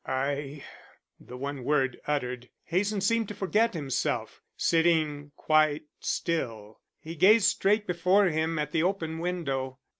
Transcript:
"I " The one word uttered, Hazen seemed to forget himself. Sitting quite still, he gazed straight before him at the open window.